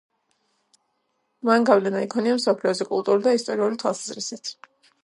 მან გავლენა იქონია მსოფლიოზე კულტურული და ისტორიული თვალსაზრისით.